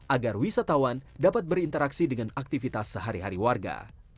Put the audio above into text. agar wisatawan dapat berinteraksi dengan aktivitas sehari hari warga